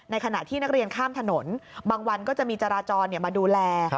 ขณะที่นักเรียนข้ามถนนบางวันก็จะมีจราจรมาดูแล